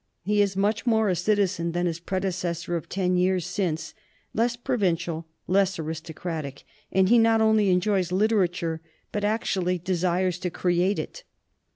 He is much more a citizen than his predecessor of ten years since, less provincial, less aristocratic. And he not only enjoys literature, but actually desires to create it.